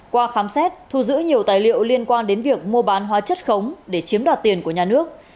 qua khám xét thu giữ nhiều tài liệu liên quan đến việc mua bán hóa chất khống để chiếm đoạt tiền của nhà nước